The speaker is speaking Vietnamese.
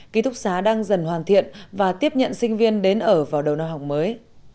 ký thúc xá đang dần hoàn thiện và tiếp nhận sinh viên đến ở vào đầu nơi học mới